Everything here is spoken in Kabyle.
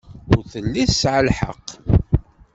Ur telli tesɛa lḥeqq.